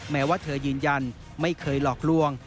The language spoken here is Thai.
แม้ว่าเธอยืนยันไม่เคยหลอกลวง